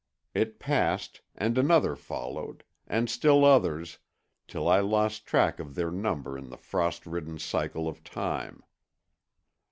It passed, and another followed, and still others, till I lost track of their number in the frost ridden cycle of time.